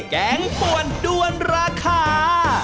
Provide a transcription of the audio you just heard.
แกงป่วนด้วนราคา